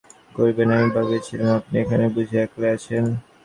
অক্ষয় কহিল, রমেশবাবু, মাপ করিবেন–আমি ভাবিয়াছিলাম, আপনি এখানে বুঝি একলাই আছেন।